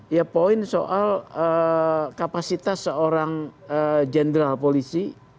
ya poin soal kapasitas seorang jenderal polisi